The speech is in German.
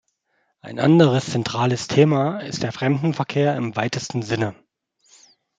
Ein anderes zentrales Thema ist der Fremdenverkehr im weitesten Sinne.